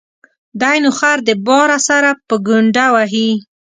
دى نو خر د باره سره په گڼده وهي.